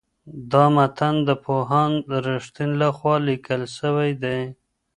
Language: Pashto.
دا متن د پوهاند رښتین لخوا لیکل سوی دی.